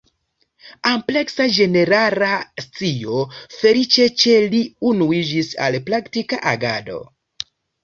Ampleksa ĝenerala scio feliĉe ĉe li unuiĝis al praktika agado.